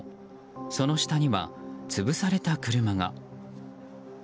その下には、潰された車が。